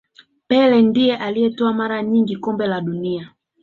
pele ndiye aliyetwaa mara nyingi kombe la dunia